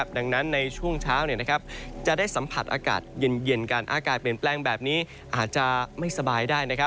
ดังนั้นในช่วงเช้าจะได้สัมผัสอากาศเย็นกันอากาศเปลี่ยนแปลงแบบนี้อาจจะไม่สบายได้